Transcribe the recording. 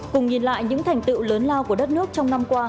cùng nhìn lại những thành tựu lớn lao của đất nước trong năm qua